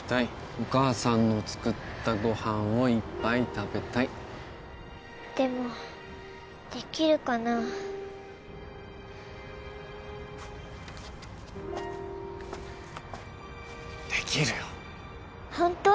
「お母さんの作ったごはんをいっぱい食べたい」でもできるかなできるよホント？